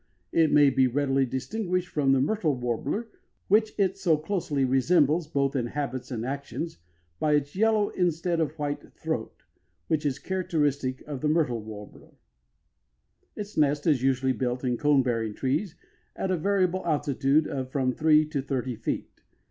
It may be readily distinguished from the myrtle warbler, which it so closely resembles both in habits and actions, by its yellow instead of white throat, which is characteristic of the myrtle warbler. Its nest is usually built in cone bearing trees at a variable altitude of from three to thirty feet.